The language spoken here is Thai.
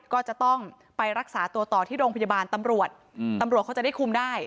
ก็จะต้องไปรักษาตัวต่อที่โรงพยาบาลตำรวจตำรวจเขาจะได้คุมได้